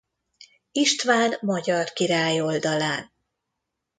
István magyar király oldalán.